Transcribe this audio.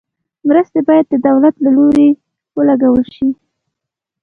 مرستې باید د دولت له لوري ولګول شي.